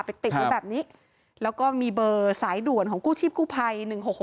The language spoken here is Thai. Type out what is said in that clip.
ติดไว้แบบนี้แล้วก็มีเบอร์สายด่วนของกู้ชีพกู้ภัย๑๖๖